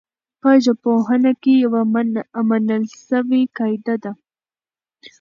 په ژبپوهنه کي يوه منل سوې قاعده ده.